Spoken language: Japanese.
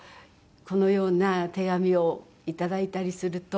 このような手紙を頂いたりすると。